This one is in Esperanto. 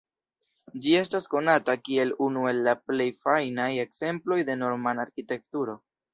Ĝi estas konata kiel unu el la plej fajnaj ekzemploj de normana arkitekturo.